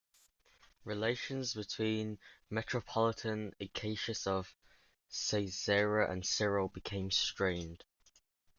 Relations between Metropolitan Acacius of Caesarea and Cyril became strained.